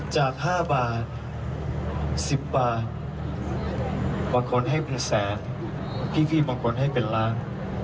จากห้าบาทสิบบาทมาค้นให้เป็นแสนพี่พี่มาค้นให้เป็นล้าง